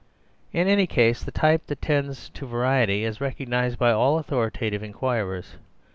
In any case, the type that tends to variety is recognized by all authoritative inquirers.